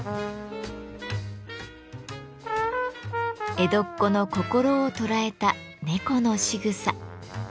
江戸っ子の心を捉えた猫のしぐさ。